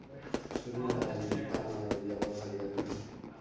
শুধু যায় তা নয়, যাবার ভারি আগ্রহ।